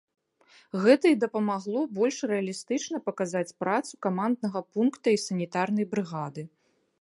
Гэта і дапамагло больш рэалістычна паказаць працу каманднага пункта і санітарнай брыгады.